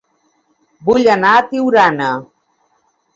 Vull anar a Tiurana